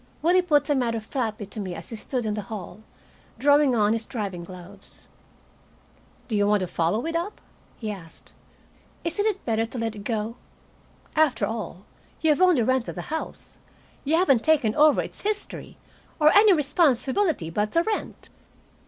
Willie put the matter flatly to me as he stood in the hall, drawing on his driving gloves. "Do you want to follow it up?" he asked. "Isn't it better to let it go? After all, you have only rented the house. You haven't taken over its history, or any responsibility but the rent."